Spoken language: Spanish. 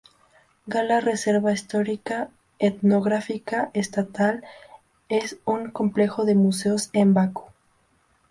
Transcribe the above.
Gala-Reserva Histórica Etnográfica Estatal es un complejo de museos en Bakú.